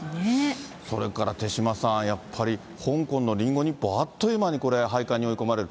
それから手嶋さん、やっぱり香港のリンゴ日報、あっという間にこれ、廃刊に追い込まれる。